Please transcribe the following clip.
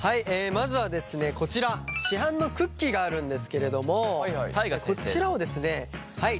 まずはですねこちら市販のクッキーがあるんですけれどもこちらをですねはい。